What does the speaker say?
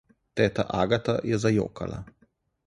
Teta Agata je zajokala.